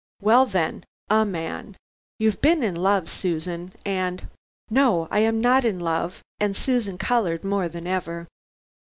"Well, then, a man. You've been in love, Susan, and " "No. I am not in love," and Susan colored more than ever.